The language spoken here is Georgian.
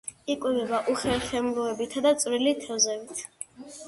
იკვებება უხერხემლოებითა და წვრილი თევზებით.